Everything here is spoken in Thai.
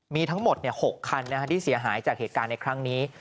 มีทั้งหมด๖คันที่เสียหายจากเหตุการณ์ในครั้งนี้